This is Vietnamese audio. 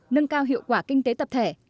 nâng cao hiệu quả kinh tế tập thể